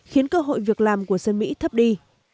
khiến cơ hội việc làm của sơn mỹ thấp đi